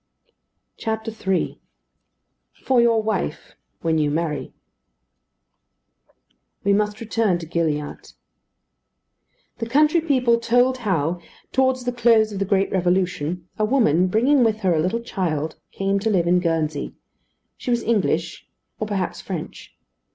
III FOR YOUR WIFE: WHEN YOU MARRY We must return to Gilliatt. The country people told how, towards the close of the great Revolution, a woman, bringing with her a little child, came to live in Guernsey. She was English, or perhaps French.